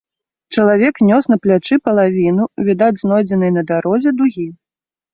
Чалавек нёс на плячы палавіну, відаць, знойдзенай на дарозе дугі.